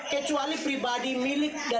kecuali pribadi milik dari marga nmb